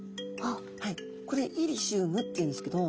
これイリシウムっていうんですけど。